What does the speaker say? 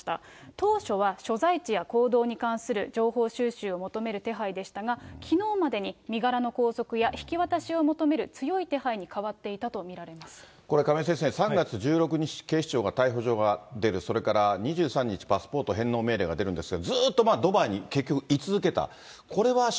当初は所在地や行動に関する情報収集を求める手配でしたが、きのうまでに身柄の拘束や引き渡しを求める強い手配に変わっていこれ亀井先生、３月１６日、警視庁が逮捕状が出る、それから２３日、パスポート返納命令が出るんですけど、ずっとドバイに結局、い続けた。